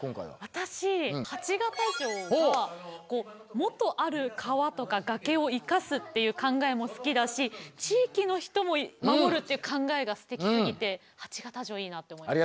私鉢形城が元ある川とか崖を生かすという考えも好きだし地域の人も守るという考えがすてきすぎて鉢形城いいなって思いました。